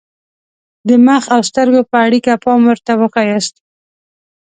د مخ او سترګو په اړیکه پام ورته وښایاست.